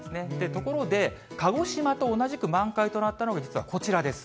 ところで、鹿児島と同じく満開となったのが、実はこちらです。